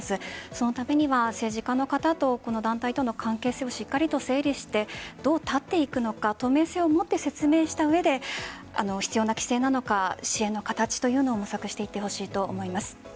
そのためには政治家の方と団体との関係性をしっかりと整理してどう絶っていくのか透明性を持って説明した上で必要な規制や支援の形というのを模索していってほしいと思います。